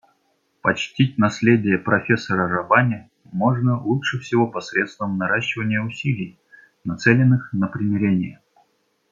Почтить наследие профессора Раббани можно лучше всего посредством наращивания усилий, нацеленных на примирение.